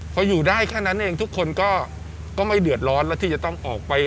พออยู่ได้แค่นั้นเองทุกคนก็ไม่เดือดร้อนแล้วที่จะต้องออกไป